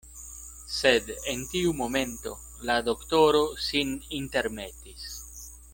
Sed en tiu momento la doktoro sin intermetis.